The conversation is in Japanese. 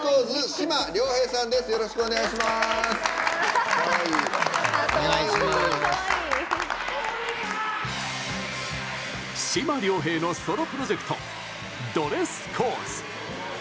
志磨遼平のソロプロジェクトドレスコーズ。